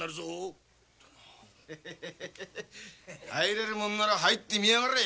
入れるもんなら入ってみやがれ！